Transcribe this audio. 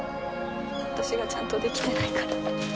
私がちゃんとできてないから。